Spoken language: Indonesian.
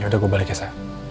yaudah gue balik ya sa